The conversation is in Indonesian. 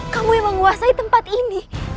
kamu yang menguasai tempat ini